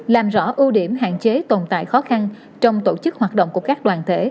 làm rõ ưu điểm hạn chế tồn tại khó khăn trong tổ chức hoạt động của các đoàn thể